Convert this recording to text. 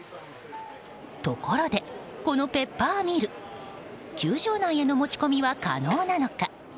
ところで、このペッパーミル球場内への持ち込みは可能なのか。